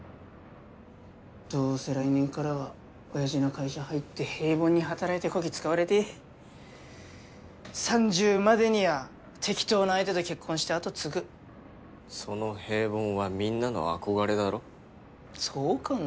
どうせ来年からはおやじの会社入って平凡に働いてこき使われて３０までには適当な相手と結婚して後継ぐその平凡はみんなの憧れだろそうかな？